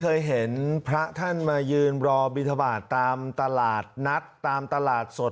เคยเห็นพระท่านมายืนรอบิทบาทตามตลาดนัดตามตลาดสด